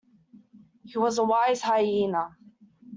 He was a wise hyena.